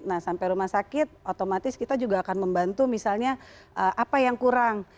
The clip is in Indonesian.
nah sampai rumah sakit otomatis kita juga akan membantu misalnya apa yang kurang